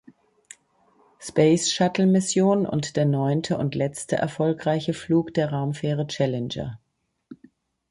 Space-Shuttle-Mission und der neunte und letzte erfolgreiche Flug der Raumfähre Challenger.